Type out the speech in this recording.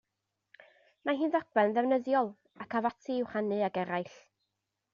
Mae hi'n ddogfen ddefnyddiol, ac af ati i'w rhannu ag eraill.